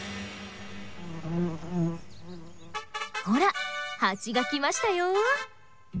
ほらハチが来ましたよ。